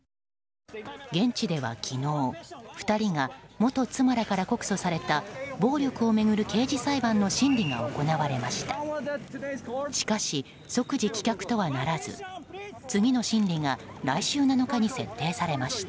現地では昨日、２人が元妻らから告訴された暴力を巡る刑事裁判の審理が行われました。